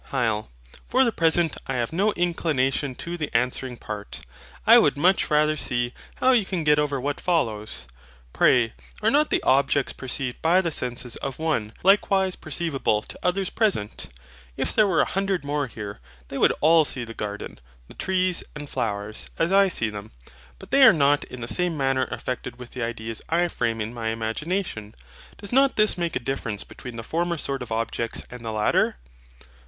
HYL. For the present, I have no inclination to the answering part. I would much rather see how you can get over what follows. Pray are not the objects perceived by the SENSES of one, likewise perceivable to others present? If there were a hundred more here, they would all see the garden, the trees, and flowers, as I see them. But they are not in the same manner affected with the ideas I frame in my IMAGINATION. Does not this make a difference between the former sort of objects and the latter?